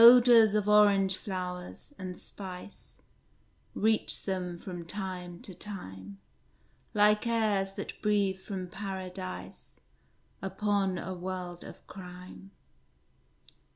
Odors of orange flowers, and spice. Reached them from time to time, Like airs that breathe from Paradise Upon a world of crime.